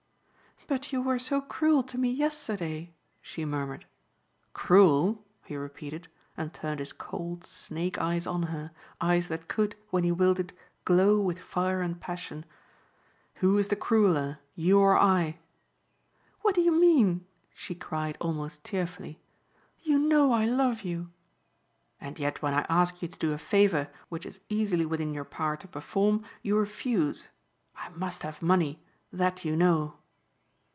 "But you were so cruel to me yesterday," she murmured. "Cruel?" he repeated and turned his cold, snake eyes on her, eyes that could, when he willed it, glow with fire and passion. "Who is the crueler, you or I?" "What do you mean?" she cried almost tearfully. "You know I love you." "And yet when I ask you to do a favor which is easily within your power to perform you refuse. I must have money; that you know."